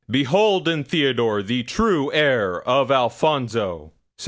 "Behold in Theodore the true heir of Alfonso!"